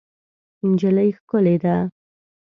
نجلۍ ښکلې ده.